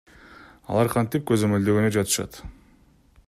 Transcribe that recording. Алар кантип көзөмөлдөгөнү жатышат?